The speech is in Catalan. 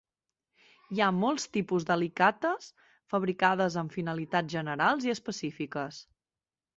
Hi ha molts tipus d'alicates fabricades amb finalitats generals i específiques.